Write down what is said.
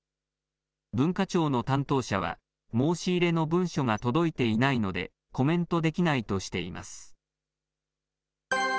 文化庁の担当者は、申し入れの文書が届いていないので、コメントできないとしています。